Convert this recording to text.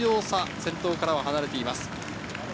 先頭から離れています。